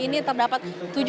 ini terdapat tujuh puluh sembilan